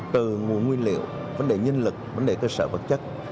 từ nguồn nguyên liệu vấn đề nhân lực vấn đề cơ sở vật chất